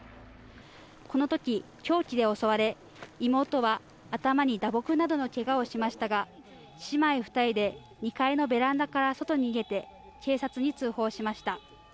このとき凶器で襲われ、妹は頭に打撲などのけがをしましたが姉妹２人で２階のベランダから外に逃げて、警察に通報しました。